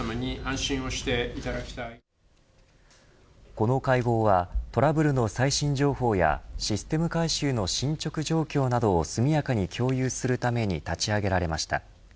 この会合はトラブルの最新情報やシステム改修の進捗状況などを速やかに共有するために立ち上げられました。